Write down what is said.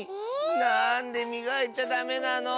なんでみがいちゃダメなの？